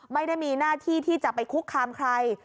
ไม่ได้มีหน้าที่ที่จะไปคุกคามใคร